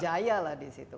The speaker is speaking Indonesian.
jaya lah di situ